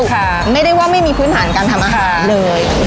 ได้อยู่แล้วใช่ค่ะไม่ได้ว่าไม่มีพื้นฐานการทำอาหารเลย